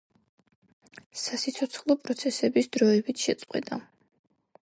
სასიცოცხლო პროცესების დროებით შეწყვეტა.